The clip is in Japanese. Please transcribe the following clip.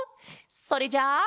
それじゃあ。